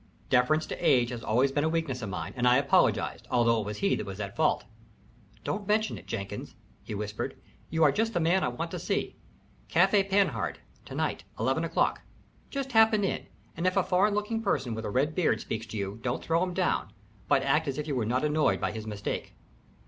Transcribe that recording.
Deference to age has always been a weakness of mine, and I apologized, although it was he that was at fault. "Don't mention it, Jenkins," he whispered. "You are just the man I want to see. Café Panhard to night eleven o'clock. Just happen in, and if a foreign looking person with a red beard speaks to you don't throw him down, but act as if you were not annoyed by his mistake."